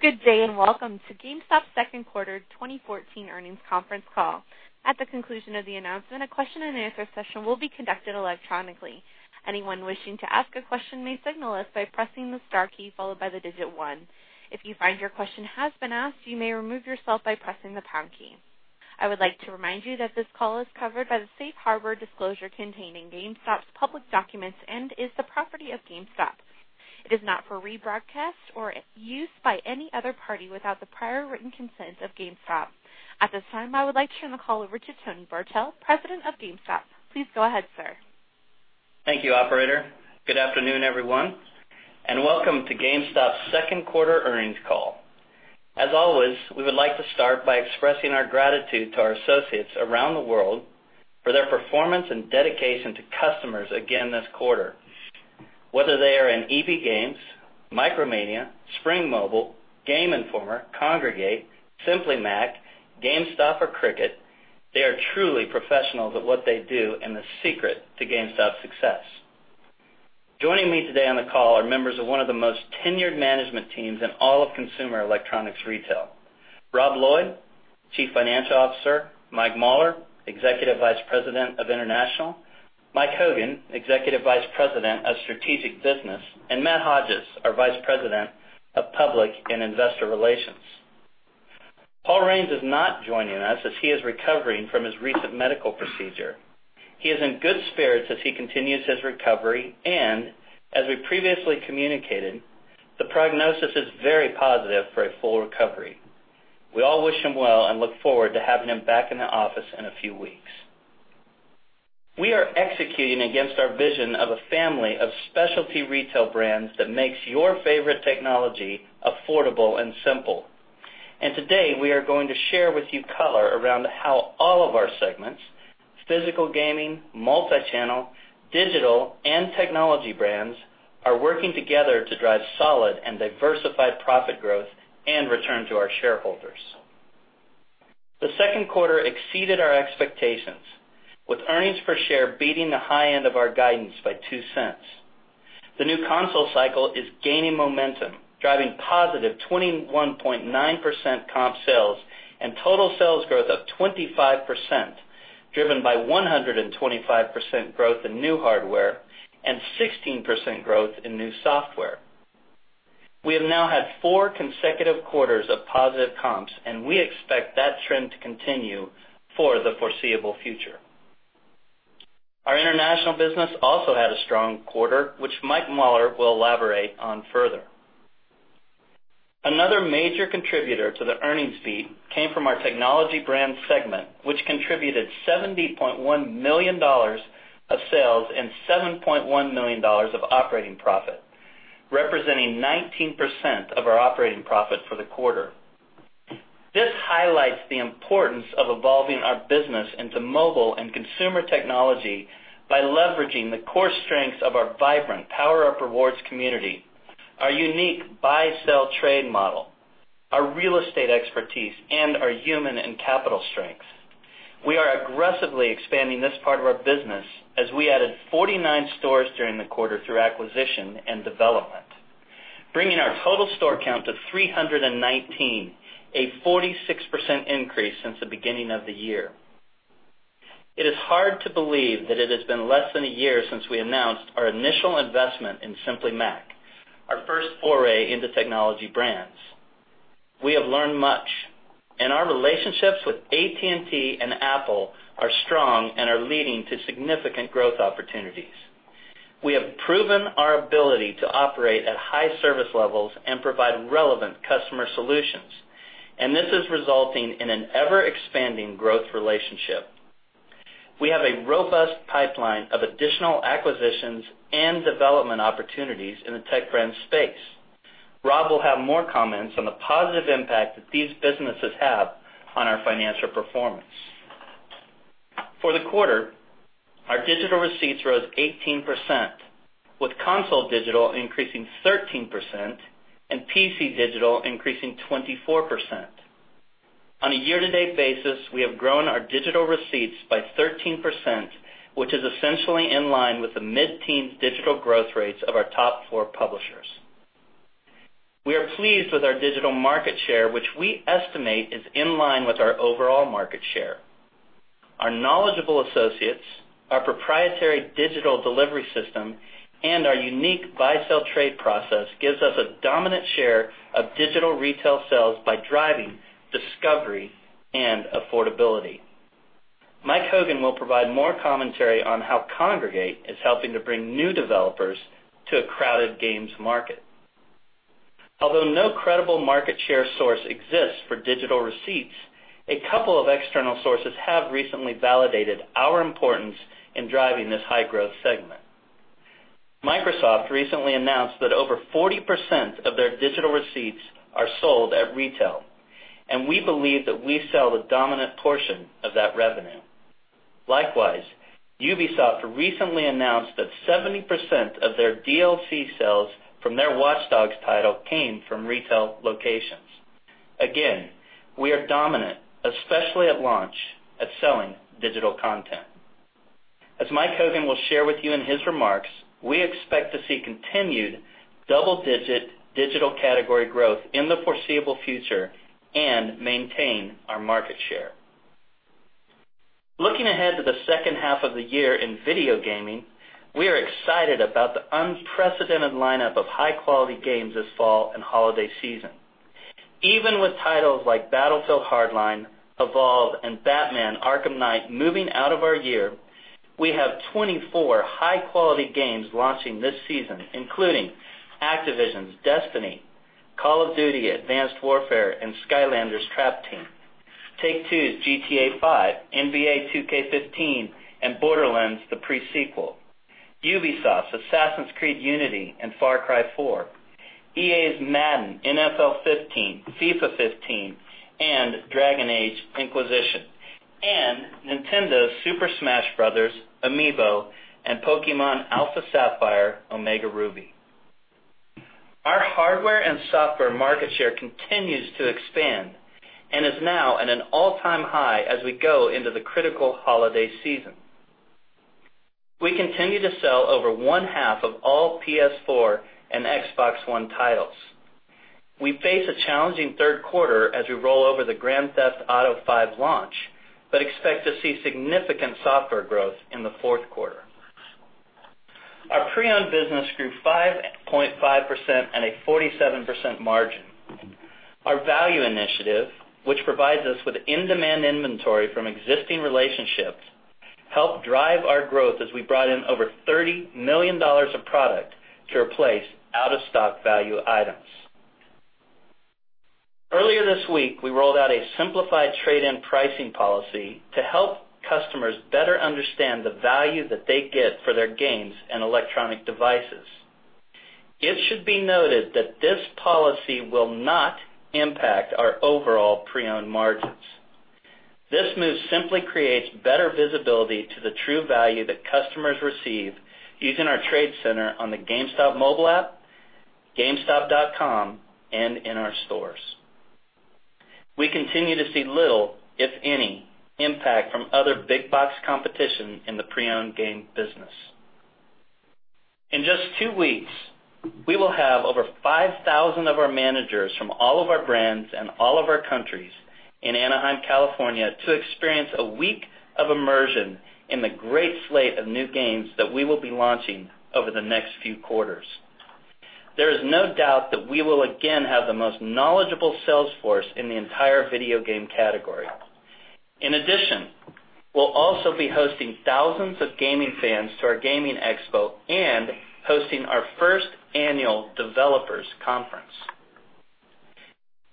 Good day, and welcome to GameStop Second Quarter 2014 Earnings Conference Call. At the conclusion of the announcement, a question and answer session will be conducted electronically. Anyone wishing to ask a question may signal us by pressing the star key, followed by the digit 1. If you find your question has been asked, you may remove yourself by pressing the pound key. I would like to remind you that this call is covered by the safe harbor disclosure contained in GameStop's public documents and is the property of GameStop. It is not for rebroadcast or use by any other party without the prior written consent of GameStop. At this time, I would like to turn the call over to Tony Bartel, President of GameStop. Please go ahead, sir. Thank you, operator. Good afternoon, everyone, welcome to GameStop's second quarter earnings call. As always, we would like to start by expressing our gratitude to our associates around the world for their performance and dedication to customers again this quarter, whether they are in EB Games, Micromania, Spring Mobile, Game Informer, Kongregate, Simply Mac, GameStop, or Cricket. They are truly professionals at what they do and the secret to GameStop's success. Joining me today on the call are members of one of the most tenured management teams in all of consumer electronics retail. Rob Lloyd, Chief Financial Officer, Mike Mauler, Executive Vice President of International, Mike Hogan, Executive Vice President of Strategic Business, and Matt Hodges, our Vice President of Public and Investor Relations. Paul Raines is not joining us as he is recovering from his recent medical procedure. He is in good spirits as he continues his recovery, as we previously communicated, the prognosis is very positive for a full recovery. We all wish him well and look forward to having him back in the office in a few weeks. We are executing against our vision of a family of specialty retail brands that makes your favorite technology affordable and simple. Today, we are going to share with you color around how all of our segments, physical gaming, multi-channel, digital, and technology brands, are working together to drive solid and diversified profit growth and return to our shareholders. The second quarter exceeded our expectations, with earnings per share beating the high end of our guidance by $0.02. The new console cycle is gaining momentum, driving positive 21.9% comp sales and total sales growth of 25%, driven by 125% growth in new hardware and 16% growth in new software. We have now had four consecutive quarters of positive comps, we expect that trend to continue for the foreseeable future. Our international business also had a strong quarter, which Mike Mauler will elaborate on further. Another major contributor to the earnings beat came from our technology brand segment, which contributed $70.1 million of sales and $7.1 million of operating profit, representing 19% of our operating profit for the quarter. This highlights the importance of evolving our business into mobile and consumer technology by leveraging the core strengths of our vibrant PowerUp Rewards community, our unique buy, sell, trade model, our real estate expertise, and our human and capital strengths. We are aggressively expanding this part of our business as we added 49 stores during the quarter through acquisition and development, bringing our total store count to 319, a 46% increase since the beginning of the year. It is hard to believe that it has been less than a year since we announced our initial investment in Simply Mac, our first foray into technology brands. We have learned much, and our relationships with AT&T and Apple are strong and are leading to significant growth opportunities. We have proven our ability to operate at high service levels and provide relevant customer solutions, this is resulting in an ever-expanding growth relationship. We have a robust pipeline of additional acquisitions and development opportunities in the tech brand space. Rob will have more comments on the positive impact that these businesses have on our financial performance. For the quarter, our digital receipts rose 18%, with console digital increasing 13% and PC digital increasing 24%. On a year-to-date basis, we have grown our digital receipts by 13%, which is essentially in line with the mid-teens digital growth rates of our top four publishers. We are pleased with our digital market share, which we estimate is in line with our overall market share. Our knowledgeable associates, our proprietary digital delivery system, and our unique buy, sell, trade process gives us a dominant share of digital retail sales by driving discovery and affordability. Mike Hogan will provide more commentary on how Kongregate is helping to bring new developers to a crowded games market. Although no credible market share source exists for digital receipts, a couple of external sources have recently validated our importance in driving this high-growth segment. Microsoft recently announced that over 40% of their digital receipts are sold at retail, we believe that we sell the dominant portion of that revenue. Likewise, Ubisoft recently announced that 70% of their DLC sales from their Watch Dogs title came from retail locations. Again, we are dominant, especially at launch, at selling digital content. As Mike Hogan will share with you in his remarks, we expect to see continued double-digit digital category growth in the foreseeable future and maintain our market share. Looking ahead to the second half of the year in video gaming, we are excited about the unprecedented lineup of high-quality games this fall and holiday season. Even with titles like Battlefield Hardline, Evolve, and Batman: Arkham Knight moving out of our year, we have 24 high-quality games launching this season, including Activision's Destiny, Call of Duty: Advanced Warfare, and Skylanders Trap Team. Take-Two's GTA V, NBA 2K15, and Borderlands: The Pre-Sequel. Ubisoft's Assassin's Creed Unity and Far Cry 4. EA's Madden NFL 15, FIFA 15, and Dragon Age: Inquisition, and Nintendo's Super Smash Bros., amiibo, and Pokémon Alpha Sapphire, Pokémon Omega Ruby. Our hardware and software market share continues to expand and is now at an all-time high as we go into the critical holiday season. We continue to sell over one-half of all PS4 and Xbox One titles. We face a challenging third quarter as we roll over the Grand Theft Auto V launch, but expect to see significant software growth in the fourth quarter. Our pre-owned business grew 5.5% at a 47% margin. Our value initiative, which provides us with in-demand inventory from existing relationships, helped drive our growth as we brought in over $30 million of product to replace out-of-stock value items. Earlier this week, we rolled out a simplified trade-in pricing policy to help customers better understand the value that they get for their games and electronic devices. It should be noted that this policy will not impact our overall pre-owned margins. This move simply creates better visibility to the true value that customers receive using our trade center on the GameStop mobile app, gamestop.com, and in our stores. We continue to see little, if any, impact from other big box competition in the pre-owned game business. In just two weeks, we will have over 5,000 of our managers from all of our brands and all of our countries in Anaheim, California, to experience a week of immersion in the great slate of new games that we will be launching over the next few quarters. There is no doubt that we will again have the most knowledgeable sales force in the entire video game category. In addition, we'll also be hosting thousands of gaming fans to our gaming expo and hosting our first annual developers conference.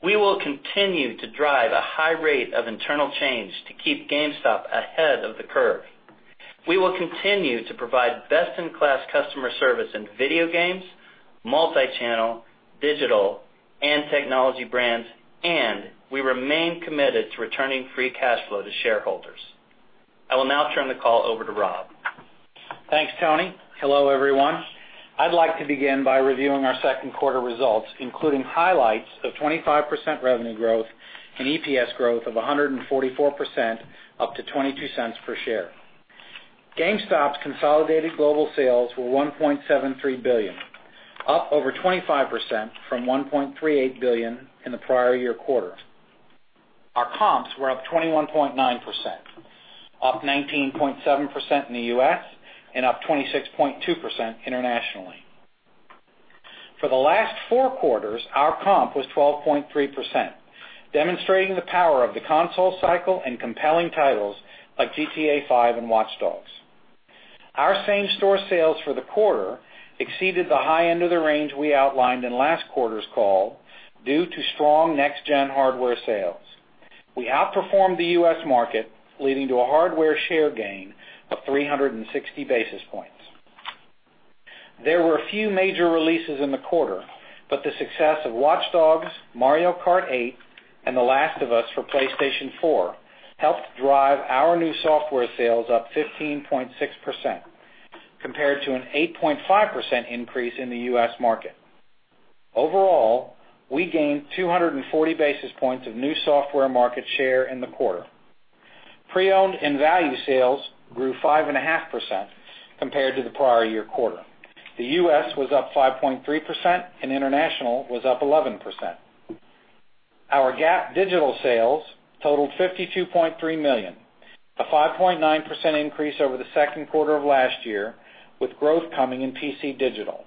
We will continue to drive a high rate of internal change to keep GameStop ahead of the curve. We will continue to provide best-in-class customer service in video games, multi-channel, digital, and technology brands, and we remain committed to returning free cash flow to shareholders. I will now turn the call over to Rob. Thanks, Tony. Hello, everyone. I'd like to begin by reviewing our second quarter results, including highlights of 25% revenue growth and EPS growth of 144%, up to $0.22 per share. GameStop's consolidated global sales were $1.73 billion, up over 25% from $1.38 billion in the prior year quarter. Our comps were up 21.9%, up 19.7% in the U.S. and up 26.2% internationally. For the last four quarters, our comp was 12.3%, demonstrating the power of the console cycle and compelling titles like GTA V and Watch Dogs. Our same-store sales for the quarter exceeded the high end of the range we outlined in last quarter's call due to strong next-gen hardware sales. We outperformed the U.S. market, leading to a hardware share gain of 360 basis points. There were a few major releases in the quarter, but the success of Watch Dogs, Mario Kart 8, and The Last of Us for PlayStation 4 helped drive our new software sales up 15.6%, compared to an 8.5% increase in the U.S. market. Overall, we gained 240 basis points of new software market share in the quarter. Pre-owned and value sales grew 5.5% compared to the prior year quarter. The U.S. was up 5.3% and international was up 11%. Our GAAP digital sales totaled $52.3 million, a 5.9% increase over the second quarter of last year, with growth coming in PC digital.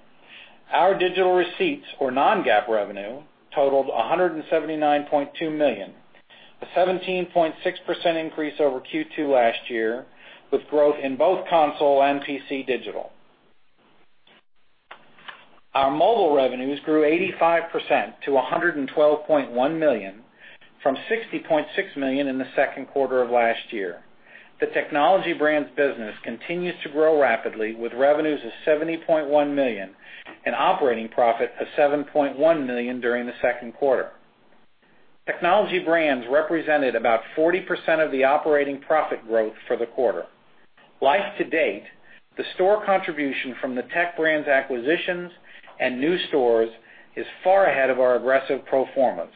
Our digital receipts or non-GAAP revenue totaled $179.2 million, a 17.6% increase over Q2 last year, with growth in both console and PC digital. Our mobile revenues grew 85% to $112.1 million from $60.6 million in the second quarter of last year. The Technology Brands business continues to grow rapidly with revenues of $70.1 million and operating profit of $7.1 million during the second quarter. Technology Brands represented about 40% of the operating profit growth for the quarter. Life to date, the store contribution from the Technology Brands acquisitions and new stores is far ahead of our aggressive pro formas.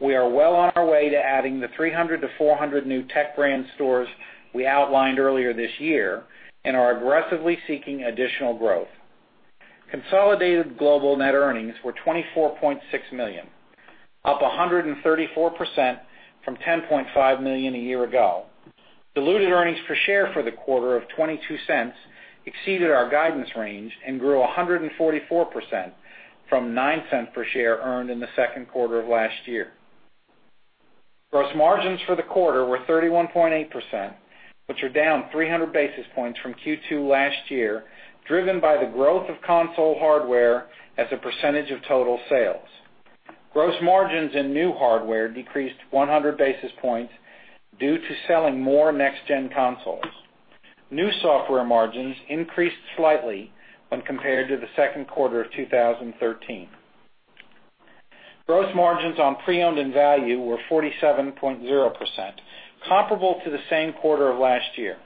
We are well on our way to adding the 300 to 400 new Technology Brands stores we outlined earlier this year, and are aggressively seeking additional growth. Consolidated global net earnings were $24.6 million, up 134% from $10.5 million a year ago. Diluted earnings per share for the quarter of $0.22 exceeded our guidance range and grew 144% from $0.09 per share earned in the second quarter of last year. Gross margins for the quarter were 31.8%, which are down 300 basis points from Q2 last year, driven by the growth of console hardware as a percentage of total sales. Gross margins in new hardware decreased 100 basis points due to selling more next-gen consoles. New software margins increased slightly when compared to the second quarter of 2013. Gross margins on pre-owned and value were 47.0%, comparable to the same quarter of last year.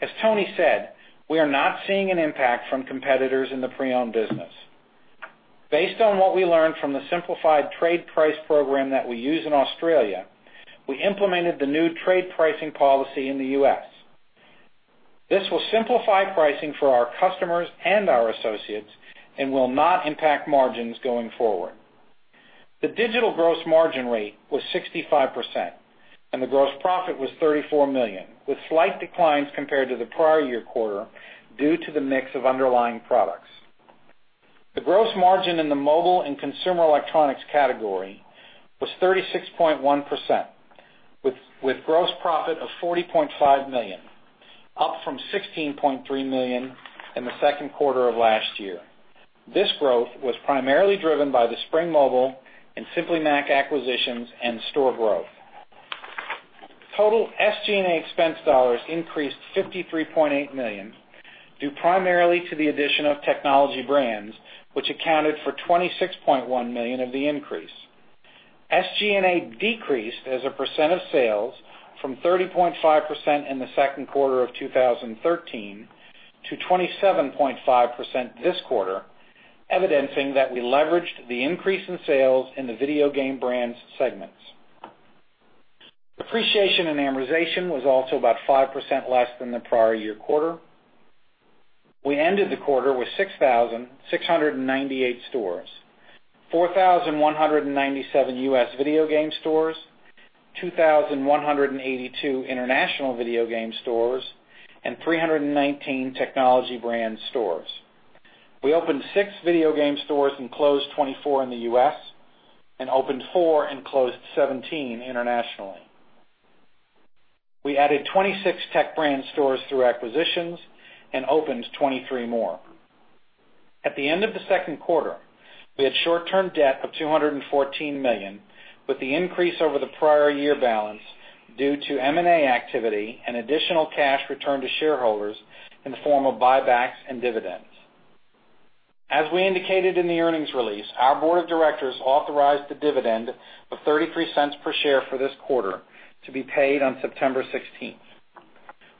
As Tony said, we are not seeing an impact from competitors in the pre-owned business. Based on what we learned from the simplified trade price program that we use in Australia, we implemented the new trade pricing policy in the U.S. This will simplify pricing for our customers and our associates and will not impact margins going forward. The digital gross margin rate was 65%, and the gross profit was $34 million, with slight declines compared to the prior year quarter due to the mix of underlying products. The gross margin in the mobile and consumer electronics category was 36.1%, with gross profit of $40.5 million, up from $16.3 million in the second quarter of last year. This growth was primarily driven by the Spring Mobile and Simply Mac acquisitions and store growth. Total SG&A expense dollars increased $53.8 million, due primarily to the addition of Technology Brands, which accounted for $26.1 million of the increase. SG&A decreased as a percent of sales from 30.5% in the second quarter of 2013 to 27.5% this quarter, evidencing that we leveraged the increase in sales in the video game brands segments. Depreciation and amortization was also about 5% less than the prior year quarter. We ended the quarter with 6,698 stores, 4,197 U.S. video game stores, 2,182 international video game stores, and 319 Technology Brands stores. We opened six video game stores and closed 24 in the U.S., and opened four and closed 17 internationally. We added 26 Tech Brand stores through acquisitions and opened 23 more. At the end of the second quarter, we had short-term debt of $214 million, with the increase over the prior year balance due to M&A activity and additional cash returned to shareholders in the form of buybacks and dividends. As we indicated in the earnings release, our board of directors authorized a dividend of $0.33 per share for this quarter to be paid on September 16th.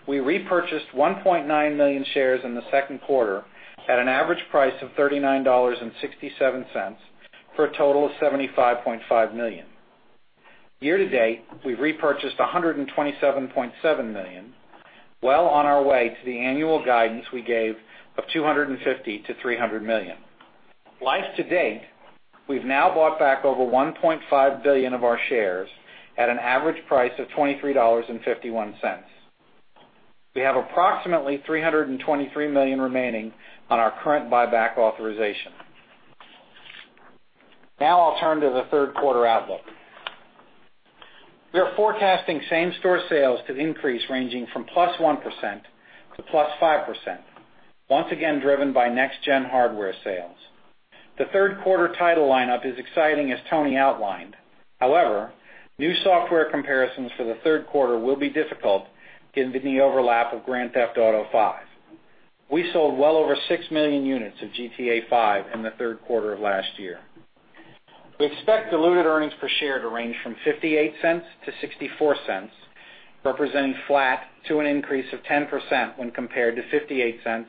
We repurchased 1.9 million shares in the second quarter at an average price of $39.67 for a total of $75.5 million. Year-to-date, we've repurchased $127.7 million, well on our way to the annual guidance we gave of $250 million-$300 million. Life to date, we've now bought back over $1.5 billion of our shares at an average price of $23.51. We have approximately $323 million remaining on our current buyback authorization. Now I'll turn to the third quarter outlook. We are forecasting same-store sales to increase ranging from +1% to +5%, once again driven by next-gen hardware sales. The third quarter title lineup is exciting, as Tony outlined. However, new software comparisons for the third quarter will be difficult given the overlap of Grand Theft Auto V. We sold well over six million units of GTA V in the third quarter of last year. We expect diluted earnings per share to range from $0.58 to $0.64, representing flat to an increase of 10% when compared to $0.58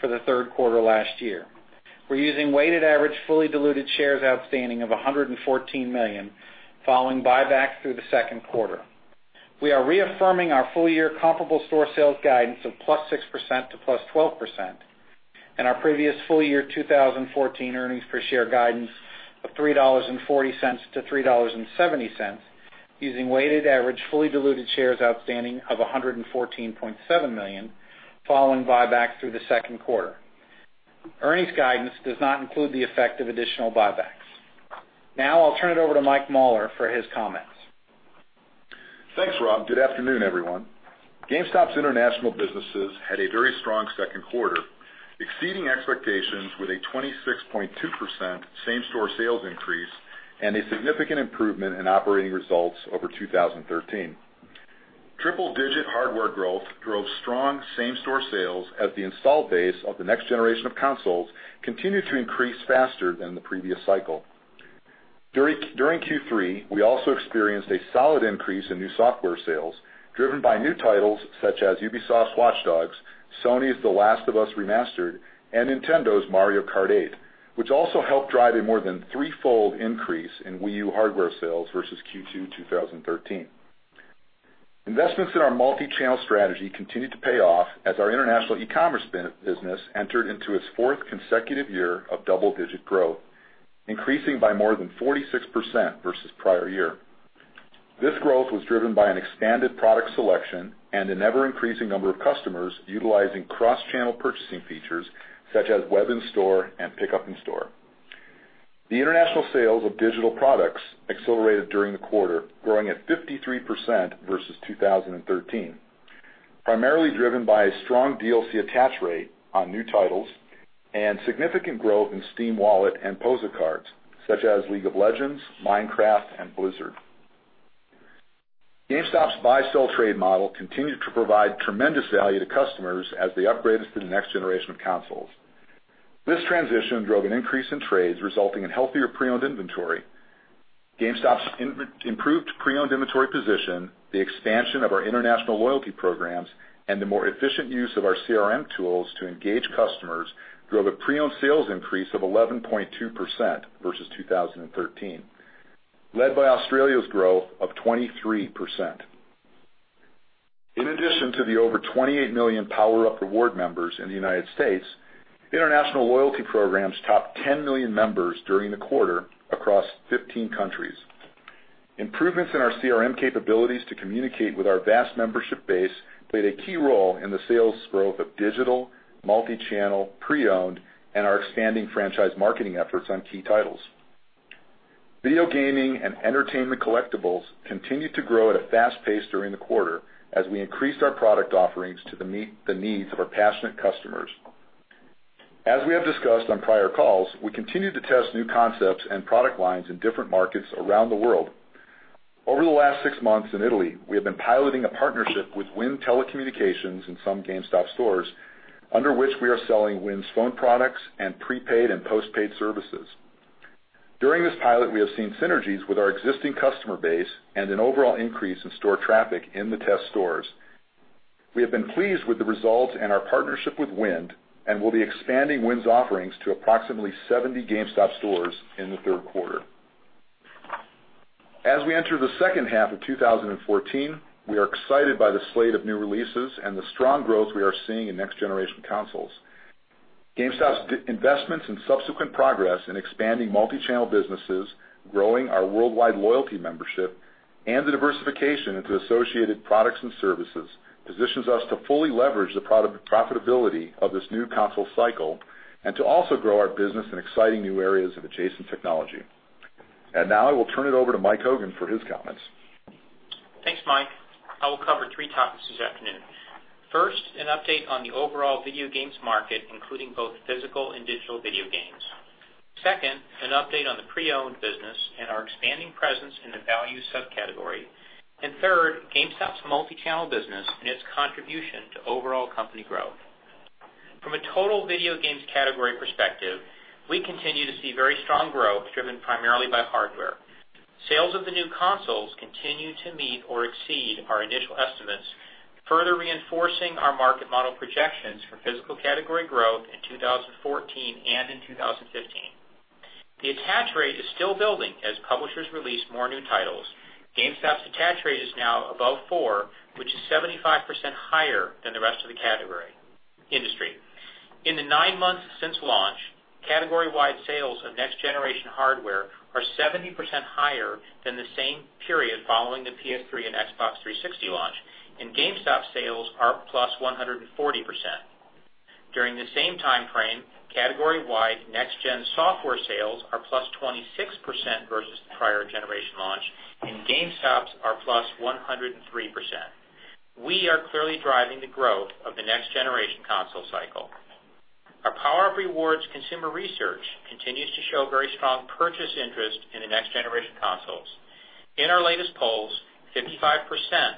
for the third quarter last year. We're using weighted average fully diluted shares outstanding of 114 million following buybacks through the second quarter. We are reaffirming our full-year comparable store sales guidance of +6% to +12% and our previous full-year 2014 earnings per share guidance of $3.40 to $3.70 using weighted average fully diluted shares outstanding of 114.7 million following buybacks through the second quarter. Earnings guidance does not include the effect of additional buybacks. Now I'll turn it over to Mike Mauler for his comments. Thanks, Rob. Good afternoon, everyone. GameStop's international businesses had a very strong second quarter, exceeding expectations with a 26.2% same-store sales increase and a significant improvement in operating results over 2013. Triple-digit hardware growth drove strong same-store sales as the install base of the next generation of consoles continued to increase faster than the previous cycle. During Q3, we also experienced a solid increase in new software sales, driven by new titles such as Ubisoft's Watch Dogs, Sony's The Last of Us Remastered, and Nintendo's Mario Kart 8, which also helped drive a more than threefold increase in Wii U hardware sales versus Q2 2013. Investments in our multi-channel strategy continued to pay off as our international e-commerce business entered into its fourth consecutive year of double-digit growth, increasing by more than 46% versus the prior year. This growth was driven by an expanded product selection and an ever-increasing number of customers utilizing cross-channel purchasing features such as web in store and pickup in store. The international sales of digital products accelerated during the quarter, growing at 53% versus 2013, primarily driven by a strong DLC attach rate on new titles and significant growth in Steam Wallet and POSA cards such as League of Legends, Minecraft, and Blizzard. GameStop's buy-sell trade model continued to provide tremendous value to customers as they upgraded to the next generation of consoles. This transition drove an increase in trades, resulting in healthier pre-owned inventory. GameStop's improved pre-owned inventory position, the expansion of our international loyalty programs, and the more efficient use of our CRM tools to engage customers drove a pre-owned sales increase of 11.2% versus 2013, led by Australia's growth of 23%. In addition to the over 28 million PowerUp Rewards members in the United States, international loyalty programs topped 10 million members during the quarter across 15 countries. Improvements in our CRM capabilities to communicate with our vast membership base played a key role in the sales growth of digital, multi-channel, pre-owned, and our expanding franchise marketing efforts on key titles. Video gaming and entertainment collectibles continued to grow at a fast pace during the quarter as we increased our product offerings to meet the needs of our passionate customers. As we have discussed on prior calls, we continue to test new concepts and product lines in different markets around the world. Over the last six months in Italy, we have been piloting a partnership with WIND Telecomunicazioni in some GameStop stores, under which we are selling WIND's phone products and prepaid and postpaid services. During this pilot, we have seen synergies with our existing customer base and an overall increase in store traffic in the test stores. We have been pleased with the results and our partnership with WIND and will be expanding WIND's offerings to approximately 70 GameStop stores in the third quarter. As we enter the second half of 2014, we are excited by the slate of new releases and the strong growth we are seeing in next-generation consoles. GameStop's investments and subsequent progress in expanding multi-channel businesses, growing our worldwide loyalty membership, and the diversification into associated products and services positions us to fully leverage the profitability of this new console cycle and to also grow our business in exciting new areas of adjacent technology. Now I will turn it over to Mike Hogan for his comments. Thanks, Mike. I will cover three topics this afternoon. First, an update on the overall video games market, including both physical and digital video games. Second, an update on the pre-owned business and our expanding presence in the value subcategory. Third, GameStop's multi-channel business and its contribution to overall company growth. From a total video games category perspective, we continue to see very strong growth driven primarily by hardware. Sales of the new consoles continue to meet or exceed our initial estimates, further reinforcing our market model projections for physical category growth in 2014 and in 2015. The attach rate is still building as publishers release more new titles. GameStop's attach rate is now above four, which is 75% higher than the rest of the industry. In the nine months since launch, category-wide sales of next-generation hardware are 70% higher than the same period following the PS3 and Xbox 360 launch, and GameStop sales are +140%. During the same time frame, category-wide next-gen software sales are +26% versus the prior generation launch, and GameStop's are +103%. We are clearly driving the growth of the next-generation console cycle. Our PowerUp Rewards consumer research continues to show very strong purchase interest in the next-generation consoles. In our latest polls, 55%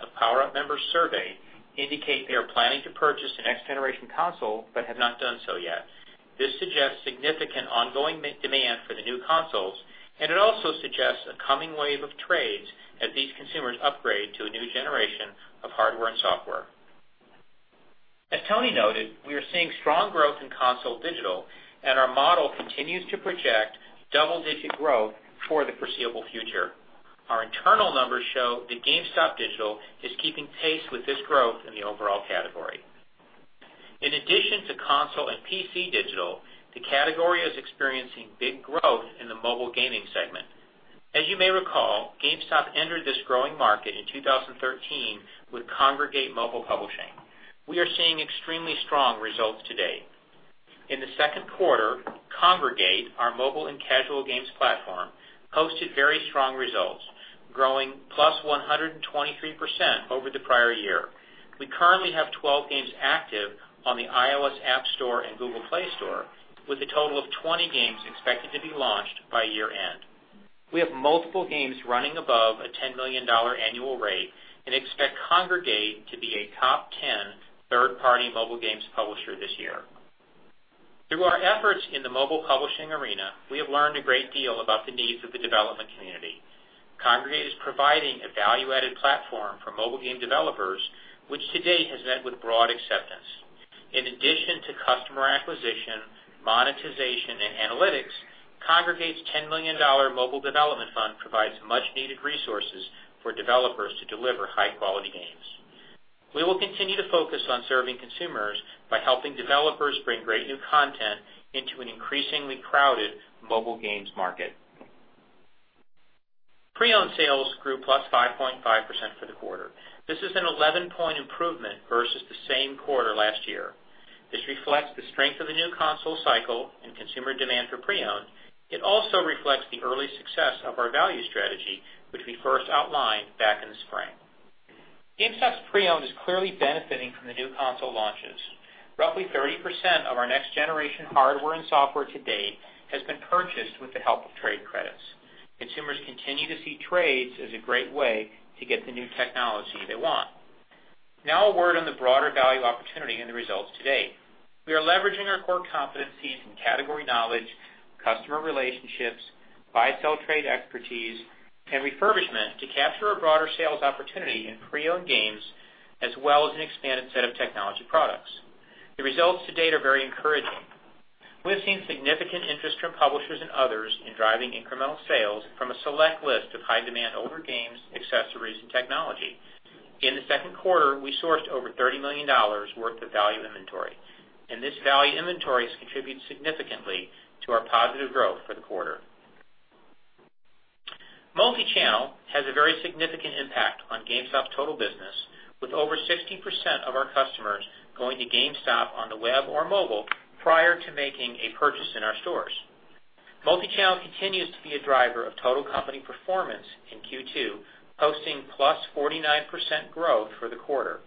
of PowerUp members surveyed indicate they are planning to purchase a next-generation console but have not done so yet. This suggests significant ongoing demand for the new consoles, and it also suggests a coming wave of trades as these consumers upgrade to a new generation of hardware and software. As Tony noted, we are seeing strong growth in console digital. Our model continues to project double-digit growth for the foreseeable future. Our internal numbers show that GameStop digital is keeping pace with this growth in the overall category. In addition to console and PC digital, the category is experiencing big growth in the mobile gaming segment. As you may recall, GameStop entered this growing market in 2013 with Kongregate Mobile Publishing. We are seeing extremely strong results to date. In the second quarter, Kongregate, our mobile and casual games platform, posted very strong results, growing +123% over the prior year. We currently have 12 games active on the iOS App Store and Google Play Store, with a total of 20 games expected to be launched by year-end. We have multiple games running above a $10 million annual rate and expect Kongregate to be a top 10 third-party mobile games publisher this year. Through our efforts in the mobile publishing arena, we have learned a great deal about the needs of the development community. Kongregate is providing a value-added platform for mobile game developers, which to date has met with broad acceptance. In addition to customer acquisition, monetization, and analytics, Kongregate's $10 million mobile development fund provides much needed resources for developers to deliver high-quality games. We will continue to focus on serving consumers by helping developers bring great new content into an increasingly crowded mobile games market. Pre-owned sales grew +5.5% for the quarter. This is an 11-point improvement versus the same quarter last year. This reflects the strength of the new console cycle and consumer demand for pre-owned. It also reflects the early success of our value strategy, which we first outlined back in the spring. GameStop's pre-owned is clearly benefiting from the new console launches. Roughly 30% of our next-generation hardware and software to date has been purchased with the help of trade credits. Consumers continue to see trades as a great way to get the new technology they want. Now a word on the broader value opportunity and the results to date. We are leveraging our core competencies in category knowledge, customer relationships, buy-sell trade expertise, and refurbishment to capture a broader sales opportunity in pre-owned games, as well as an expanded set of technology products. The results to date are very encouraging. We're seeing significant interest from publishers and others in driving incremental sales from a select list of high-demand older games, accessories, and technology. In the second quarter, we sourced over $30 million worth of value inventory. This value inventory has contributed significantly to our positive growth for the quarter. Multi-channel has a very significant impact on GameStop's total business, with over 60% of our customers going to GameStop on the web or mobile prior to making a purchase in our stores. Multi-channel continues to be a driver of total company performance in Q2, posting +49% growth for the quarter.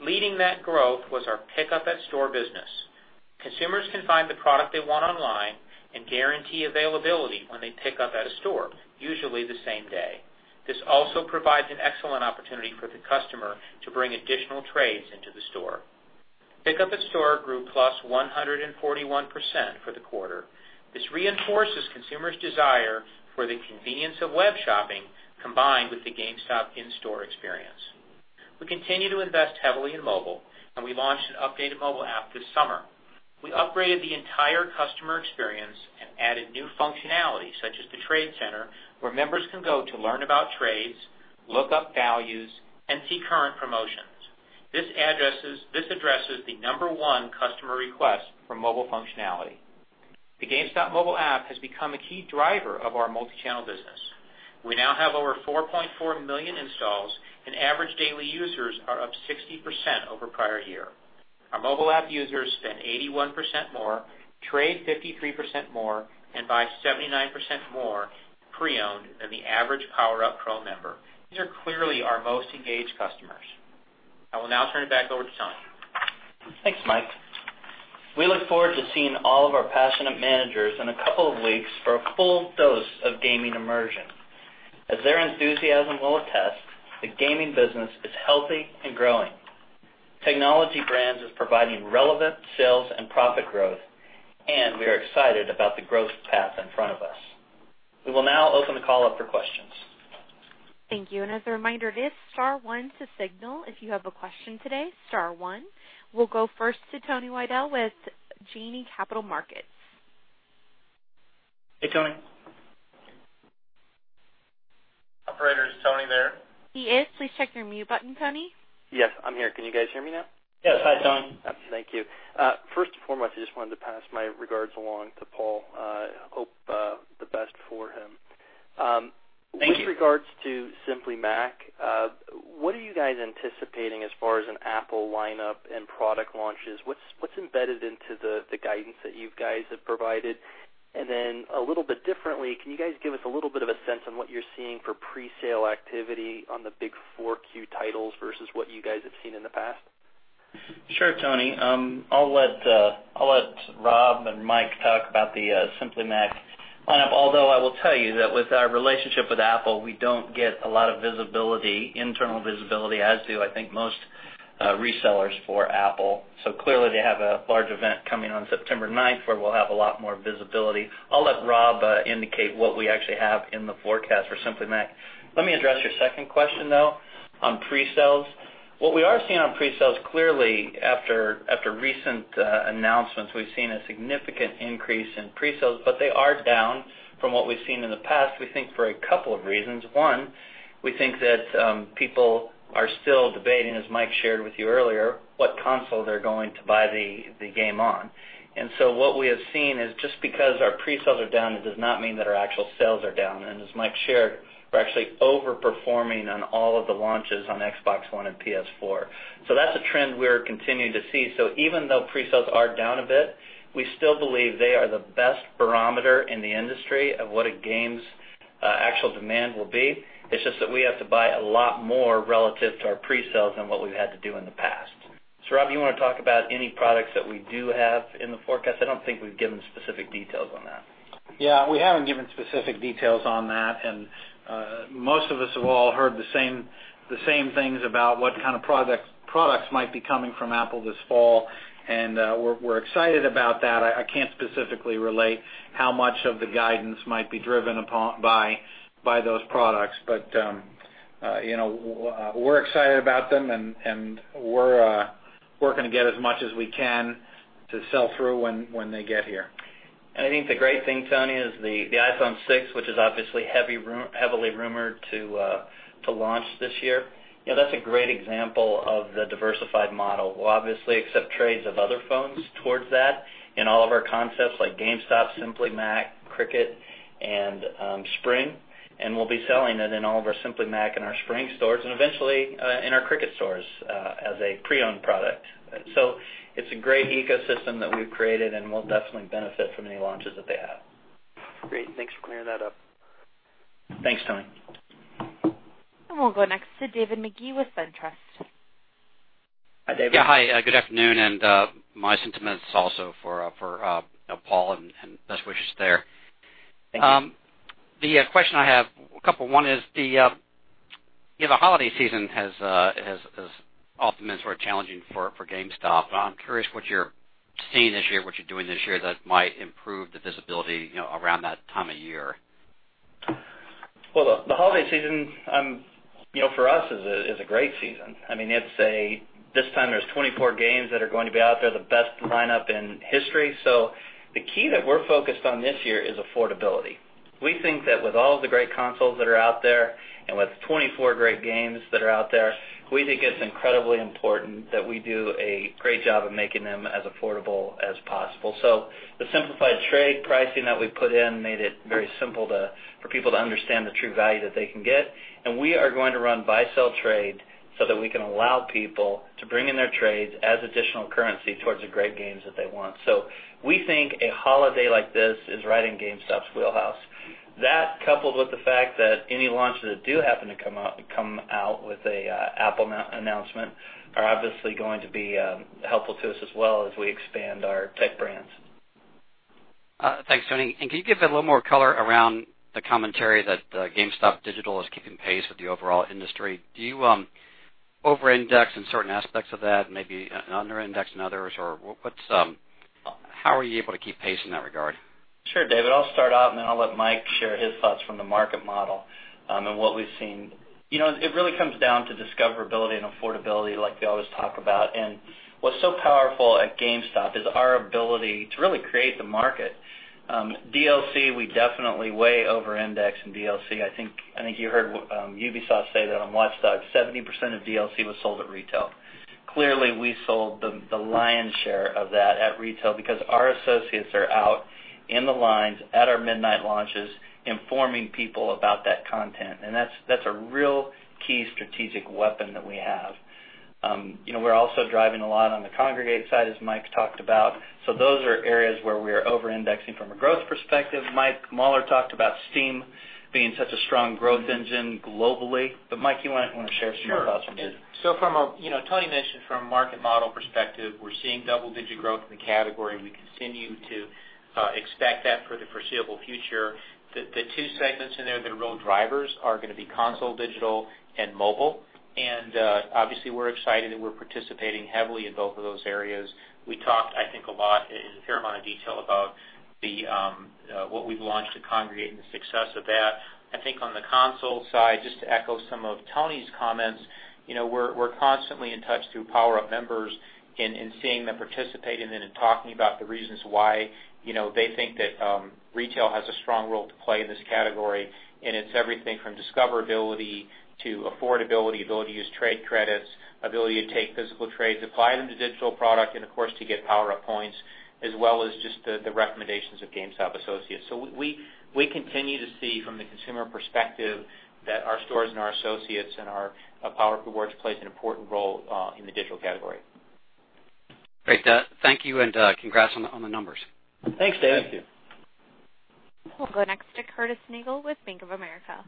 Leading that growth was our Pick Up At Store business. Consumers can find the product they want online and guarantee availability when they Pick Up At Store, usually the same day. This also provides an excellent opportunity for the customer to bring additional trades into the store. Pick Up At Store grew +141% for the quarter. This reinforces consumers' desire for the convenience of web shopping combined with the GameStop in-store experience. We continue to invest heavily in mobile. We launched an updated mobile app this summer. We upgraded the entire customer experience and added new functionality, such as the Trade Center, where members can go to learn about trades, look up values, and see current promotions. This addresses the number one customer request for mobile functionality. The GameStop mobile app has become a key driver of our multi-channel business. We now have over 4.4 million installs. Average daily users are up 60% over prior year. Our mobile app users spend 81% more, trade 53% more, and buy 79% more pre-owned than the average PowerUp Pro member. These are clearly our most engaged customers. I will now turn it back over to Tony. Thanks, Mike. We look forward to seeing all of our passionate managers in a couple of weeks for a full dose of gaming immersion. As their enthusiasm will attest, the gaming business is healthy and growing. Technology Brands is providing relevant sales and profit growth. We are excited about the growth path in front of us. We will now open the call up for questions. Thank you. As a reminder, it is star one to signal if you have a question today, star one. We'll go first to Tony Wible with Janney Capital Markets. Hey, Tony. Operator, is Tony there? He is. Please check your mute button, Tony. Yes, I'm here. Can you guys hear me now? Yes. Hi, Tony. Thank you. First and foremost, I just wanted to pass my regards along to Paul. Hope the best for him. Thank you. With regards to Simply Mac, what are you guys anticipating as far as an Apple lineup and product launches? What's embedded into the guidance that you guys have provided? A little bit differently, can you guys give us a little bit of a sense on what you're seeing for pre-sale activity on the big 4Q titles versus what you guys have seen in the past? Sure, Tony. I'll let Rob and Mike talk about the Simply Mac lineup. Although I will tell you that with our relationship with Apple, we don't get a lot of internal visibility, as do I think most resellers for Apple. Clearly they have a large event coming on September 9th, where we'll have a lot more visibility. I'll let Rob indicate what we actually have in the forecast for Simply Mac. Let me address your second question, though, on pre-sales. What we are seeing on pre-sales, clearly after recent announcements, we've seen a significant increase in pre-sales, but they are down from what we've seen in the past, we think for a couple of reasons. One, we think that people are still debating, as Mike shared with you earlier, what console they're going to buy the game on. What we have seen is just because our pre-sales are down, it does not mean that our actual sales are down. As Mike shared, we're actually overperforming on all of the launches on Xbox One and PS4. That's a trend we're continuing to see. Even though pre-sales are down a bit, we still believe they are the best barometer in the industry of what a game's actual demand will be. It's just that we have to buy a lot more relative to our pre-sales than what we've had to do in the past. Rob, you want to talk about any products that we do have in the forecast? I don't think we've given specific details on that. Yeah, we haven't given specific details on that, and most of us have all heard the same things about what kind of products might be coming from Apple this fall, and we're excited about that. I can't specifically relate how much of the guidance might be driven by those products. We're excited about them, and we're working to get as much as we can to sell through when they get here. I think the great thing, Tony, is the iPhone 6, which is obviously heavily rumored to launch this year. That's a great example of the diversified model. We'll obviously accept trades of other phones towards that in all of our concepts, like GameStop, Simply Mac, Cricket, and Spring, and we'll be selling it in all of our Simply Mac and our Spring stores and eventually, in our Cricket stores, as a pre-owned product. It's a great ecosystem that we've created, and we'll definitely benefit from any launches that they have. Great. Thanks for clearing that up. Thanks, Tony. We'll go next to David Magee with SunTrust. Hi, David. Yeah. Hi, good afternoon. My sentiments also for Paul and best wishes there. Thank you. The question I have, a couple. One is, the holiday season has ultimately been sort of challenging for GameStop. I'm curious what you're seeing this year, what you're doing this year that might improve the visibility around that time of year. Well, the holiday season, for us, is a great season. I mean, this time there's 24 games that are going to be out there, the best lineup in history. The key that we're focused on this year is affordability. We think that with all of the great consoles that are out there, and with 24 great games that are out there, we think it's incredibly important that we do a great job of making them as affordable as possible. The simplified trade pricing that we put in made it very simple for people to understand the true value that they can get. We are going to run buy, sell, trade so that we can allow people to bring in their trades as additional currency towards the great games that they want. We think a holiday like this is right in GameStop's wheelhouse. That, coupled with the fact that any launches that do happen to come out with an Apple announcement, are obviously going to be helpful to us as well as we expand our tech brands. Thanks, Tony. Can you give a little more color around the commentary that GameStop digital is keeping pace with the overall industry? Do you over-index in certain aspects of that, maybe under-index in others, or how are you able to keep pace in that regard? Sure, David. I'll start out, and then I'll let Mike share his thoughts from the market model and what we've seen. It really comes down to discoverability and affordability, like we always talk about. What's so powerful at GameStop is our ability to really create the market. DLC, we definitely way over-index in DLC. I think you heard Ubisoft say that on Watch Dogs, 70% of DLC was sold at retail. Clearly, we sold the lion's share of that at retail because our associates are out in the lines at our midnight launches, informing people about that content, and that's a real key strategic weapon that we have. We're also driving a lot on the Kongregate side, as Mike talked about. Those are areas where we are over-indexing from a growth perspective. Mike Mauler talked about Steam being such a strong growth engine globally. Mike, you might want to share some of your thoughts with this. Sure. Tony mentioned from a market model perspective, we're seeing double-digit growth in the category, and we continue to expect that for the foreseeable future. The two segments in there that are real drivers are going to be console digital and mobile. Obviously, we're excited that we're participating heavily in both of those areas. We talked, I think, a lot, in a fair amount of detail, about what we've launched at Kongregate and the success of that. I think on the console side, just to echo some of Tony's comments, we're constantly in touch through PowerUp members and seeing them participating and then talking about the reasons why they think that retail has a strong role to play in this category. It's everything from discoverability to affordability, ability to use trade credits, ability to take physical trades, apply them to digital product, and of course, to get PowerUp points, as well as just the recommendations of GameStop associates. We continue to see from the consumer perspective that our stores and our associates and our PowerUp Rewards plays an important role in the digital category. Great. Thank you, and congrats on the numbers. Thanks, David. Thank you. We'll go next to Curtis Nagle with Bank of America.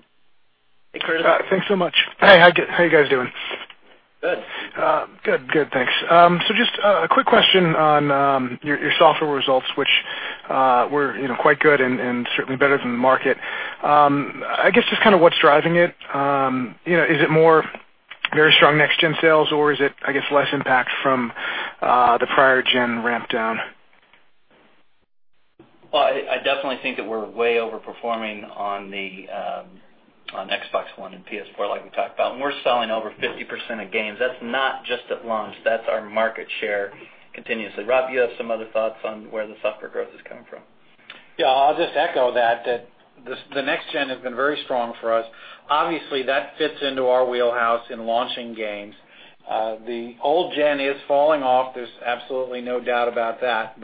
Hey, Curtis. Thanks so much. Hey, how are you guys doing? Good. Good. Thanks. Just a quick question on your software results, which were quite good and certainly better than the market. I guess just what's driving it. Is it more very strong next-gen sales, or is it, I guess, less impact from the prior gen ramp down? I definitely think that we're way over-performing on Xbox One and PS4, like we talked about, and we're selling over 50% of games. That's not just at launch. That's our market share continuously. Rob, you have some other thoughts on where the software growth is coming from? I'll just echo that the next gen has been very strong for us. Obviously, that fits into our wheelhouse in launching games. The old gen is falling off, there's absolutely no doubt about that.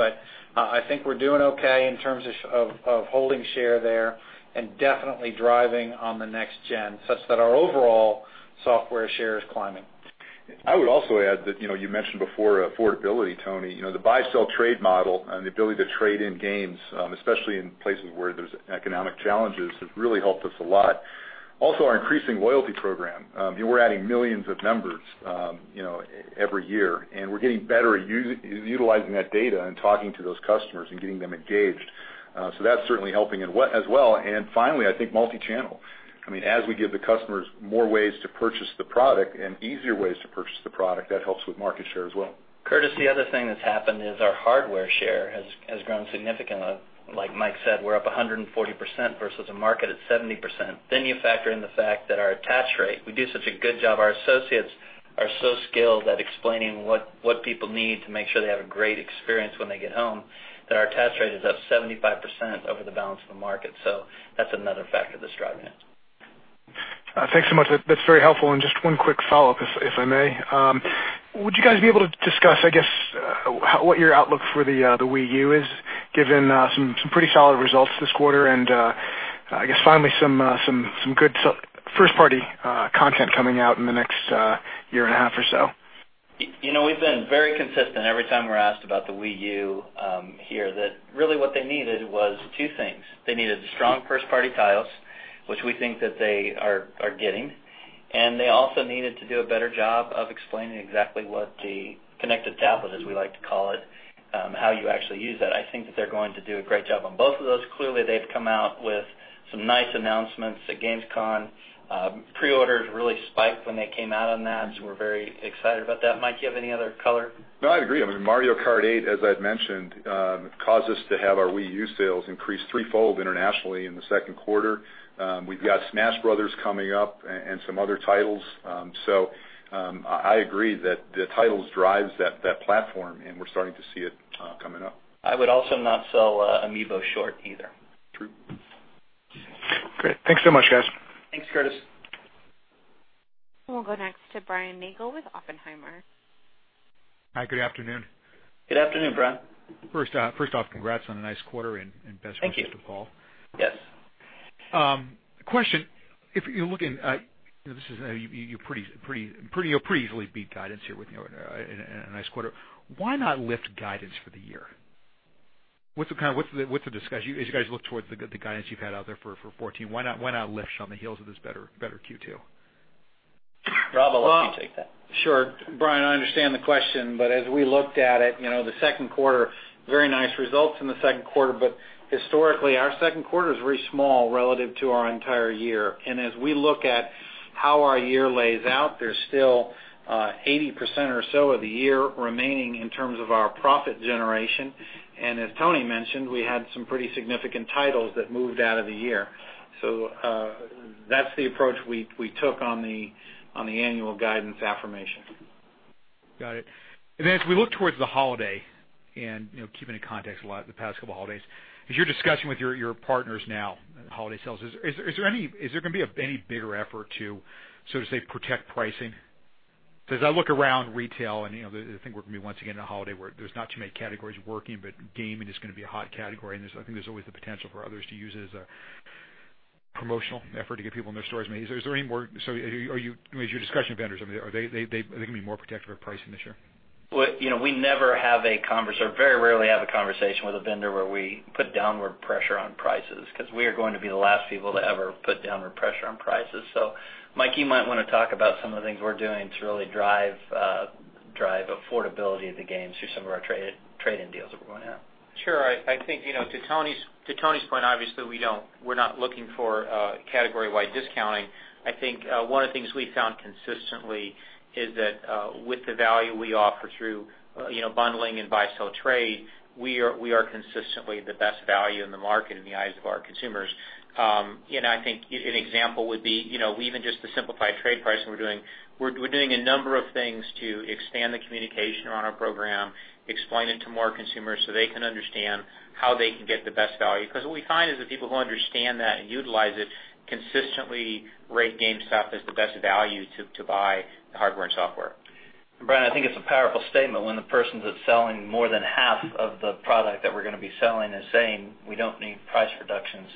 I think we're doing okay in terms of holding share there and definitely driving on the next gen, such that our overall software share is climbing. I would also add that, you mentioned before affordability, Tony. The buy-sell trade model and the ability to trade in games, especially in places where there's economic challenges, has really helped us a lot. Also, our increasing loyalty program. We're adding millions of members every year, and we're getting better at utilizing that data and talking to those customers and getting them engaged. That's certainly helping as well. Finally, I think multi-channel. I mean, as we give the customers more ways to purchase the product and easier ways to purchase the product, that helps with market share as well. Curtis, the other thing that's happened is our hardware share has grown significantly. Like Mike said, we're up 140% versus a market at 70%. You factor in the fact that our attach rate, we do such a good job. Our associates are so skilled at explaining what people need to make sure they have a great experience when they get home, that our attach rate is up 75% over the balance of the market. That's another factor that's driving it. Thanks so much. That's very helpful. Just one quick follow-up, if I may. Would you guys be able to discuss, I guess, what your outlook for the Wii U is, given some pretty solid results this quarter and, I guess finally some good first-party content coming out in the next year and a half or so? We've been very consistent every time we're asked about the Wii U here, that really what they needed was two things. They needed strong first-party titles, which we think that they are getting, and they also needed to do a better job of explaining exactly what the connected tablet, as we like to call it, how you actually use that. I think that they're going to do a great job on both of those. Clearly, they've come out with some nice announcements at Gamescom. Pre-orders really spiked when they came out on that, we're very excited about that. Mike, do you have any other color? No, I agree. I mean, "Mario Kart 8," as I'd mentioned, caused us to have our Wii U sales increase threefold internationally in the second quarter. We've got "Smash Brothers" coming up and some other titles. I agree that the titles drives that platform, and we're starting to see it coming up. I would also not sell amiibo short either. True. Great. Thanks so much, guys. Thanks, Curtis. We'll go next to Brian Nagel with Oppenheimer. Hi, good afternoon. Good afternoon, Brian. First off, congrats on a nice quarter and best wishes. Thank you to Paul. Yes. Question. You pretty easily beat guidance here with a nice quarter. Why not lift guidance for the year? As you guys look towards the guidance you've had out there for 2014, why not lift on the heels of this better Q2? Rob, I'll let you take that. Sure. Brian, I understand the question, as we looked at it, the second quarter, very nice results in the second quarter, historically, our second quarter is very small relative to our entire year. As we look at how our year lays out, there's still 80% or so of the year remaining in terms of our profit generation. As Tony mentioned, we had some pretty significant titles that moved out of the year. That's the approach we took on the annual guidance affirmation. Got it. As we look towards the holiday, keeping in context a lot the past couple of holidays, as you're discussing with your partners now, holiday sales, is there going to be any bigger effort to, so to say, protect pricing? As I look around retail and I think we're going to be once again in a holiday where there's not too many categories working, but gaming is going to be a hot category, and I think there's always the potential for others to use it as a promotional effort to get people in their stores. As you're discussing vendors, are they going to be more protective of pricing this year? We very rarely have a conversation with a vendor where we put downward pressure on prices, we are going to be the last people to ever put downward pressure on prices. Mike, you might want to talk about some of the things we're doing to really drive affordability of the games through some of our trade-in deals that we're going to have. Sure. I think, to Tony's point, obviously we're not looking for category-wide discounting. I think, one of the things we found consistently is that with the value we offer through bundling and buy-sell trade, we are consistently the best value in the market in the eyes of our consumers. I think an example would be even just the simplified trade pricing we're doing. We're doing a number of things to expand the communication around our program, explain it to more consumers so they can understand how they can get the best value. What we find is that people who understand that and utilize it consistently rate GameStop as the best value to buy hardware and software. Brian, I think it's a powerful statement when the persons that's selling more than half of the product that we're going to be selling is saying, "We don't need price reductions."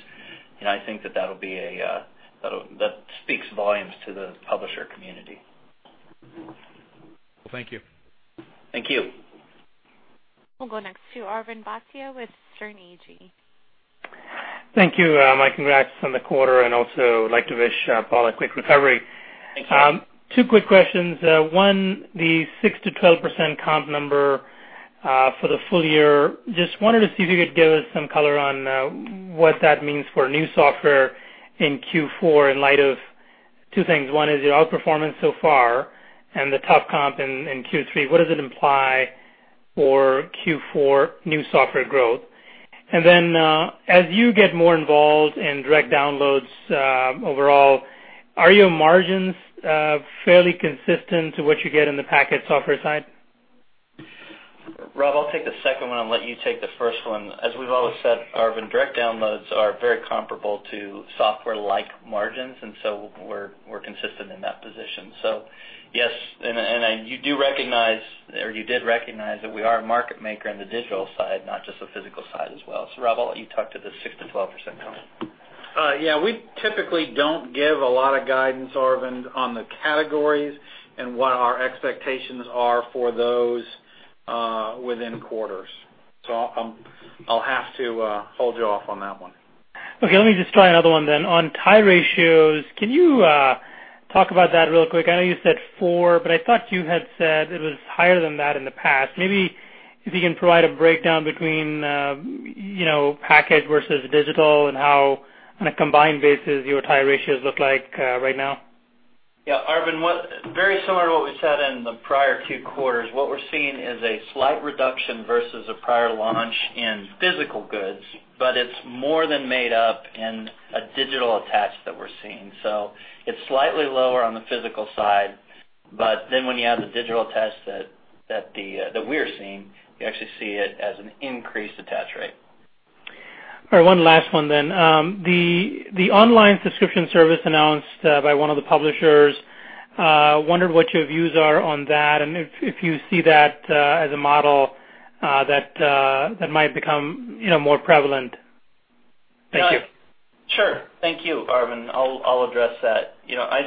I think that speaks volumes to the publisher community. Well, thank you. Thank you. We'll go next to Arvind Bhatia with Sterne Agee. Thank you. My congrats on the quarter. Also I'd like to wish Paul a quick recovery. Thank you. Two quick questions. One, the 6%-12% comp number for the full year, just wanted to see if you could give us some color on what that means for new software in Q4 in light of two things. One is your outperformance so far and the tough comp in Q3. What does it imply for Q4 new software growth? Then, as you get more involved in direct downloads overall, are your margins fairly consistent to what you get in the packet software side? Rob, I'll take the second one and let you take the first one. As we've always said, Arvind, direct downloads are very comparable to software-like margins. We're consistent in that position. Yes, and you did recognize that we are a market maker in the digital side, not just the physical side as well. Rob, I'll let you talk to the 6%-12% comp. Yeah. We typically don't give a lot of guidance, Arvind, on the categories and what our expectations are for those within quarters. I'll have to hold you off on that one. Okay, let me just try another one then. On tie ratios, can you talk about that real quick? I know you said four, but I thought you had said it was higher than that in the past. Maybe if you can provide a breakdown between package versus digital and how on a combined basis your tie ratios look like right now. Yeah. Arvind, very similar to what we said in the prior two quarters. What we're seeing is a slight reduction versus a prior launch in physical goods, but it's more than made up in a digital attach that we're seeing. It's slightly lower on the physical side, but then when you add the digital attach that we're seeing, you actually see it as an increased attach rate. All right, one last one then. The online subscription service announced by one of the publishers, I wondered what your views are on that and if you see that as a model that might become more prevalent. Thank you. Sure. Thank you, Arvind. I'll address that. I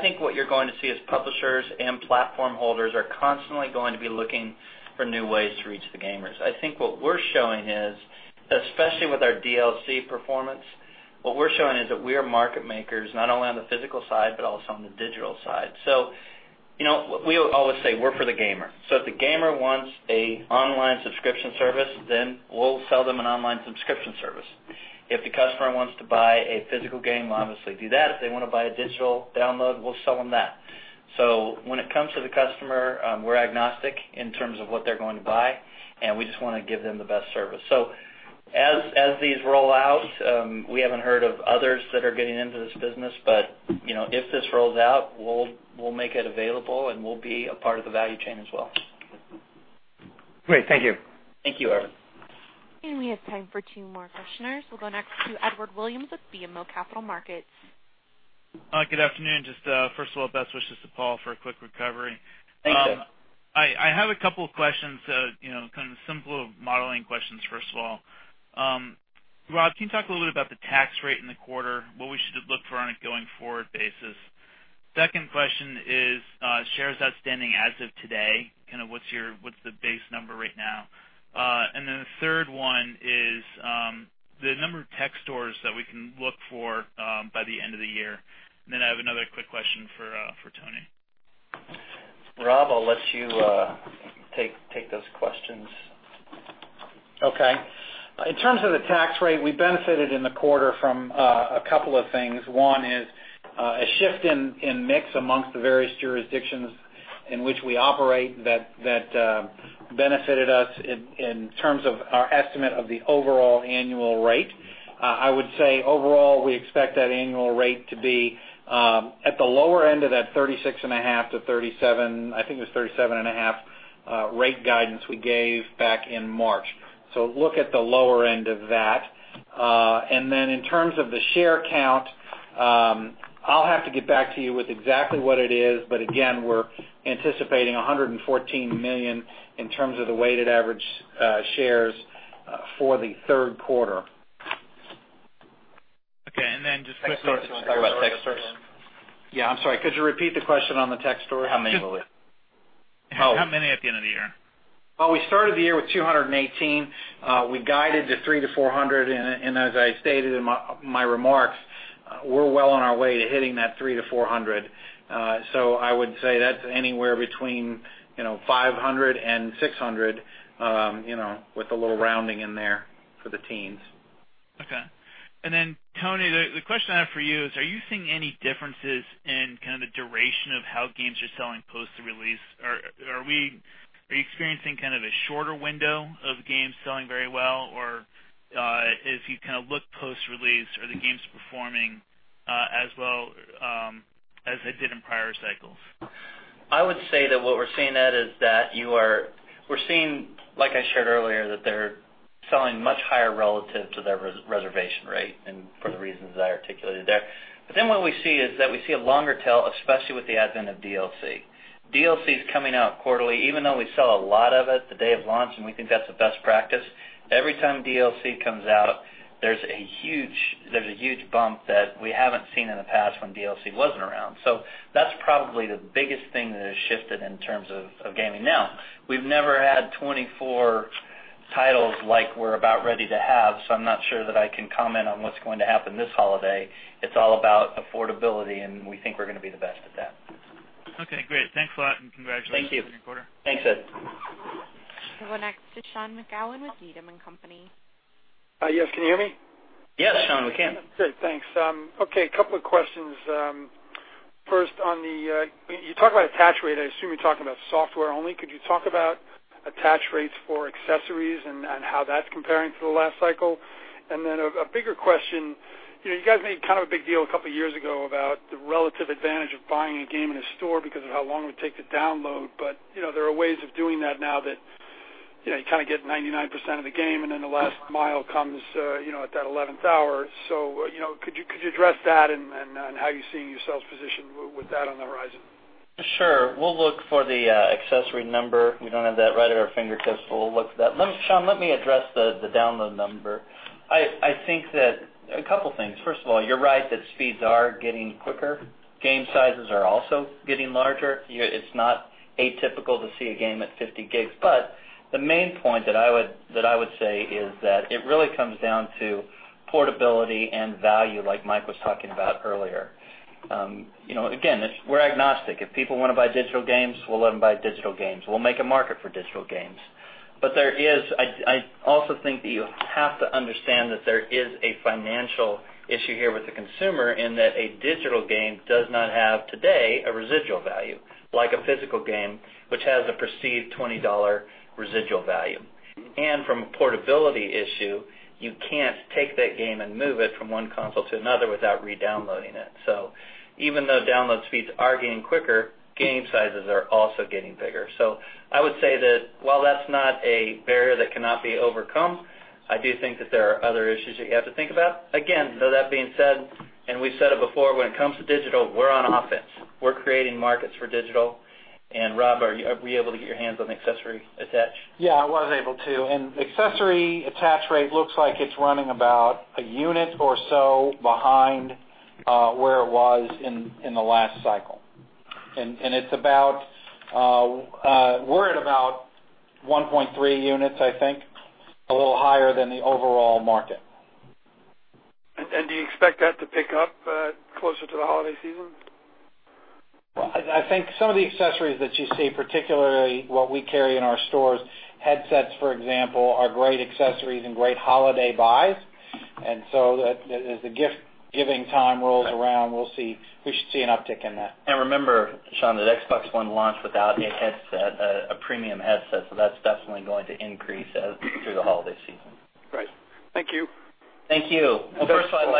think what you're going to see is publishers and platform holders are constantly going to be looking for new ways to reach the gamers. I think what we're showing is, especially with our DLC performance, what we're showing is that we are market makers, not only on the physical side, but also on the digital side. We always say we're for the gamer. If the gamer wants an online subscription service, then we'll sell them an online subscription service. If the customer wants to buy a physical game, we'll obviously do that. If they want to buy a digital download, we'll sell them that. When it comes to the customer, we're agnostic in terms of what they're going to buy, and we just want to give them the best service. As these roll out, we haven't heard of others that are getting into this business, but, if this rolls out, we'll make it available, and we'll be a part of the value chain as well. Great. Thank you. Thank you, Arvind. We have time for two more questioners. We'll go next to Edward Williams with BMO Capital Markets. Hi, good afternoon. First of all, best wishes to Paul for a quick recovery. Thank you. I have a couple of questions, kind of simple modeling questions, first of all. Rob, can you talk a little bit about the tax rate in the quarter, what we should look for on a going-forward basis? Second question is, shares outstanding as of today, what's the base number right now? The third one is, the number of tech stores that we can look for by the end of the year. I have another quick question for Tony. Rob, I'll let you take those questions. Okay. In terms of the tax rate, we benefited in the quarter from a couple of things. One is a shift in mix amongst the various jurisdictions in which we operate that benefited us in terms of our estimate of the overall annual rate. I would say overall, we expect that annual rate to be at the lower end of that 36.5%-37%, I think it was 37.5%, rate guidance we gave back in March. Look at the lower end of that. In terms of the share count, I'll have to get back to you with exactly what it is, but again, we're anticipating 114 million in terms of the weighted average shares for the third quarter. Okay, just quickly. Tech stores. Do you want to talk about tech stores? Yeah. I'm sorry. Could you repeat the question on the tech store? How many will we have? How many at the end of the year? Well, we started the year with 218. We guided to 300 to 400, as I stated in my remarks, we're well on our way to hitting that 300 to 400. I would say that's anywhere between 500 and 600, with a little rounding in there for the teens. Tony, the question I have for you is, are you seeing any differences in kind of the duration of how games are selling post-release? Are you experiencing kind of a shorter window of games selling very well, or if you kind of look post-release, are the games performing as well as they did in prior cycles? I would say that what we're seeing, Ed, is that we're seeing, like I shared earlier, that they're selling much higher relative to their reservation rate and for the reasons I articulated there. What we see is that we see a longer tail, especially with the advent of DLC. DLC is coming out quarterly. Even though we sell a lot of it the day of launch, and we think that's a best practice, every time DLC comes out, there's a huge bump that we haven't seen in the past when DLC wasn't around. That's probably the biggest thing that has shifted in terms of gaming. We've never had 24 titles like we're about ready to have, so I'm not sure that I can comment on what's going to happen this holiday. It's all about affordability, and we think we're going to be the best at that. Okay, great. Thanks a lot and congratulations on the quarter. Thank you. Thanks, Ed. We'll go next to Sean McGowan with Needham & Company. Yes, can you hear me? Yes, Sean, we can. Great. Thanks. A couple of questions. You talk about attach rate, I assume you're talking about software only. Could you talk about attach rates for accessories and how that's comparing to the last cycle? A bigger question, you guys made kind of a big deal a couple of years ago about the relative advantage of buying a game in a store because of how long it would take to download. There are ways of doing that now that you kind of get 99% of the game, and the last mile comes at that 11th hour. Could you address that and how you see yourselves positioned with that on the horizon? Sure. We'll look for the accessory number. We don't have that right at our fingertips, but we'll look for that. Sean, let me address the download number. I think that a couple of things. First of all, you're right that speeds are getting quicker. Game sizes are also getting larger. It's not atypical to see a game at 50 GB. The main point that I would say is that it really comes down to portability and value like Mike was talking about earlier. Again, we're agnostic. If people want to buy digital games, we'll let them buy digital games. We'll make a market for digital games. I also think that you have to understand that there is a financial issue here with the consumer in that a digital game does not have today a residual value like a physical game, which has a perceived $20 residual value. From a portability issue, you can't take that game and move it from one console to another without redownloading it. Even though download speeds are getting quicker, game sizes are also getting bigger. I would say that while that's not a barrier that cannot be overcome, I do think that there are other issues that you have to think about. Again, that being said, and we've said it before, when it comes to digital, we're on offense. We're creating markets for digital. Rob, were you able to get your hands on the accessory attach? I was able to. Accessory attach rate looks like it's running about a unit or so behind where it was in the last cycle. We're at about 1.3 units, I think, a little higher than the overall market. Do you expect that to pick up closer to the holiday season? Well, I think some of the accessories that you see, particularly what we carry in our stores, headsets, for example, are great accessories and great holiday buys. So as the gift-giving time rolls around, we should see an uptick in that. Remember, Sean, that Xbox One launched without a headset, a premium headset, so that's definitely going to increase through the holiday season. Great. Thank you. Thank you. Well, first of all,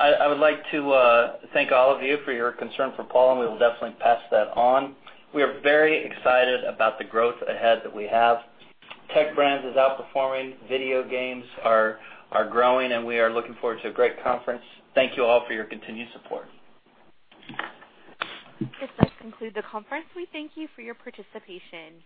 I would like to thank all of you for your concern for Paul, we will definitely pass that on. We are very excited about the growth ahead that we have. Tech Brands is outperforming, video games are growing, we are looking forward to a great conference. Thank you all for your continued support. This does conclude the conference. We thank you for your participation.